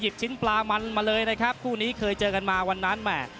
ชิ้นปลามันมาเลยนะครับคู่นี้เคยเจอกันมาวันนั้นแหม่